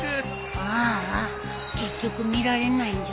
あーあ結局見られないじゃん。